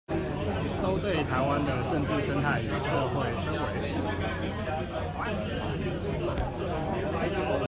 都對臺灣的政治生態與社會氛圍